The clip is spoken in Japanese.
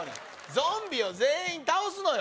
ゾンビを全員倒すのよ